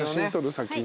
先に。